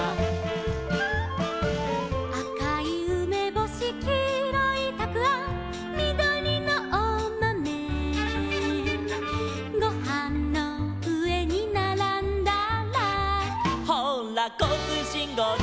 「あかいうめぼし」「きいろいたくあん」「みどりのおまめ」「ごはんのうえにならんだら」「ほうらこうつうしんごうだい」